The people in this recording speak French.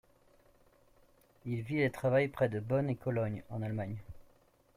Il vit et travaille près de Bonn et Cologne en Allemagne.